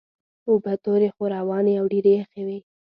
اوبه تورې خو روانې او ډېرې یخې وې.